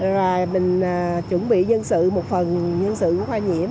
rồi mình chuẩn bị dân sự một phần nhân sự của khoa nhiễm